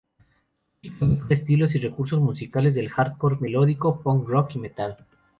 Su música mezcla estilos y recursos musicales del hardcore melódico, punk rock y metal.